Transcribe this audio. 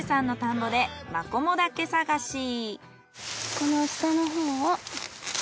この下のほうを。